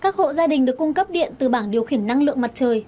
các hộ gia đình được cung cấp điện từ bảng điều khiển năng lượng mặt trời